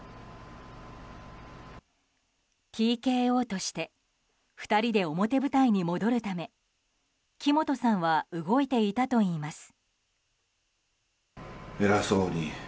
ＴＫＯとして２人で表舞台に戻るため木本さんは動いていたといいます。